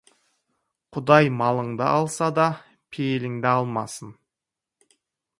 Құдай малыңды алса да, пейіліңді алмасын.